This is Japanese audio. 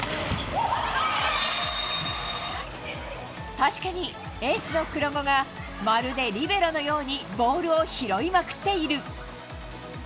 確かに、エースの黒後がまるでリベロのようにボールを拾いまくっている。